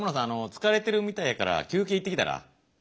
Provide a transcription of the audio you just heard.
疲れてるみたいやから休憩行ってきたら？